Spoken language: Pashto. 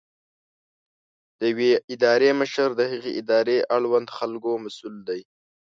د یوې ادارې مشر د هغې ادارې اړوند خلکو مسؤل دی.